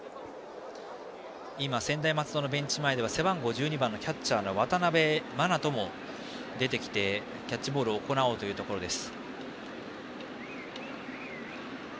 専大松戸のベンチ前では背番号１２番でキャッチャーの渡辺眞翔も出てきてキャッチボールを行おうというところです。